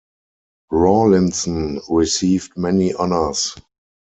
Rawlinson received many honours.